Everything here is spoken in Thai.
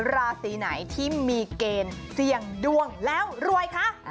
ราศีไหนที่มีเกณฑ์เสี่ยงดวงแล้วรวยคะ